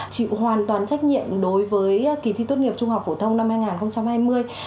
chịu hoàn toàn trách nhiệm đối với kỳ thi tốt nghiệp trung học phổ thông năm hai nghìn hai mươi